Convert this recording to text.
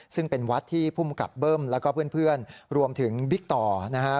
ซึ่งเป็นวัดที่ภูมิกับเบิ้มแล้วก็เพื่อนรวมถึงบิ๊กต่อนะฮะ